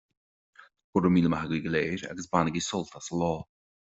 Go raibh míle maith agaibh go léir, agus bainigí sult as an lá